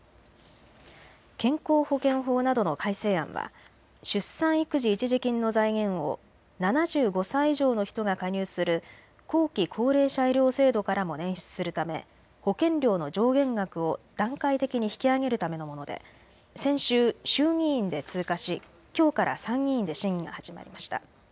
健康保険法などの改正案は出産育児一時金の財源を７５歳以上の人が加入する後期高齢者医療制度からも捻出するため保険料の上限額を段階的に引き上げるためのもので先週、衆議院で通過しきょうから参議院で審議が始まりました。